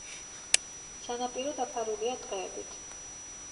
სანაპირო დაფარულია ტყეებით.